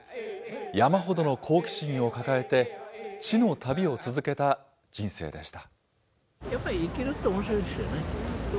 山ほどの好奇心を抱えて、知の旅を続けた人生でした。